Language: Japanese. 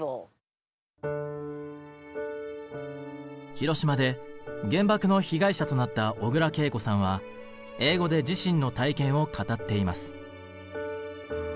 広島で原爆の被害者となった小倉桂子さんは英語で自身の体験を語っています。